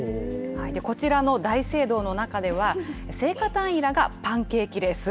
こちらの大聖堂の中では、聖歌隊員らがパンケーキレース。